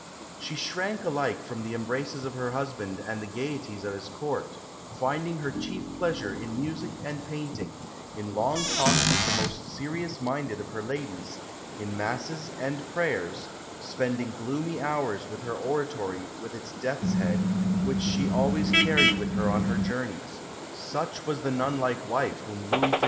She shrank alike from the embraces of her husband and the gaieties of his Court, finding her chief pleasure in music and painting, in long talks with the most serious minded of her ladies, in Masses and prayers spending gloomy hours in her oratory with its death's head, which she always carried with her on her journeys. Such was the nun like wife whom Louis XV.